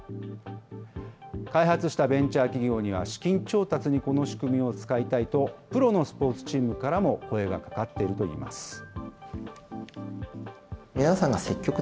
開発したベンチャー企業には、資金調達にこの仕組みを使いたいと、プロのスポーツチームからも声がかかっているといいます。